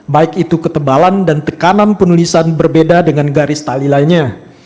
baik itu ketebalan dan tekanan penulisan berbeda dengan garis tali lainnya